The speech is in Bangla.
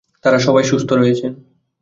তাঁরা সবাই সুস্থ রয়েছেন।